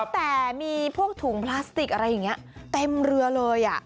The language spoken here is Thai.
แต่มีพวกถุงพลาสติกอะไรอย่างนี้เต็มเรือเลย